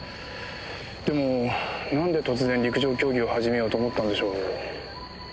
でもなんで突然陸上競技を始めようと思ったんでしょう？